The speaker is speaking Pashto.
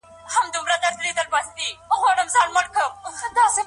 ممکن څه وخت وروسته يو د بل مزاجونه او عادتونه وپيژني.